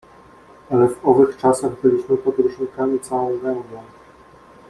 "Ale w owych czasach byliśmy podróżnikami całą gębą!"